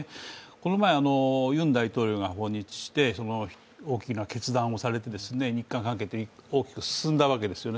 この前、ユン大統領が訪日して大きな決断をされて日韓関係が大きく進んだわけですよね。